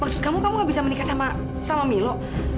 maksud kamu kamu gak bisa menikah sama milo